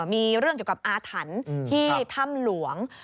มีเรื่องเกี่ยวกับอาถรรพ์ที่ถ้ำหลวง